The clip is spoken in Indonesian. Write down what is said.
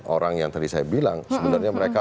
orang yang tadi saya bilang sebenarnya mereka